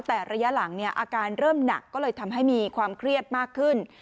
แต่ระยะหลังเนี่ยอาการเริ่มหนักก็เลยทำให้มีความเครียดมากขึ้น